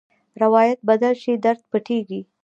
روایت بدل شي، درد پټېږي.